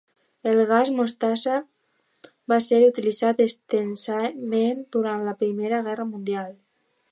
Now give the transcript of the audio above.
El Gas mostassa va ser utilitzat extensament durant la Primera Guerra mundial.